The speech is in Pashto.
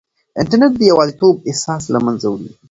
انټرنیټ د یوازیتوب احساس له منځه وړي.